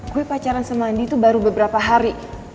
gue pacaran sama andi tuh baru beberapa hari